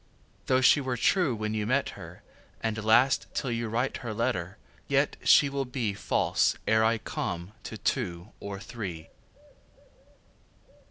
Though she were true when you met her, And last, till you write your letter, Yet she Will be False, ere I come, to two or three.